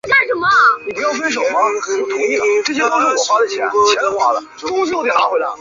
阿诺德直言不讳地批评了上个世纪中叶数学高度抽象化的趋势。